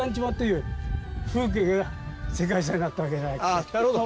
ああなるほど！